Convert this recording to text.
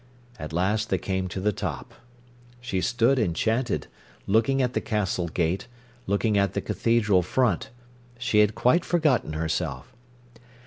At last they came to the top. She stood enchanted, looking at the castle gate, looking at the cathedral front. She had quite forgotten herself.